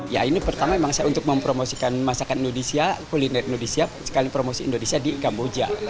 ya ini pertama memang saya untuk mempromosikan masakan indonesia kuliner indonesia sekalian promosi indonesia di kamboja